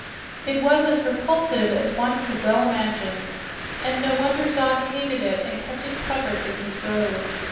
It was as repulsive as one could well imagine, and no wonder Zog hated it and kept it covered with his robe.